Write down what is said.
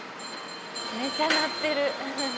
めちゃ鳴ってる。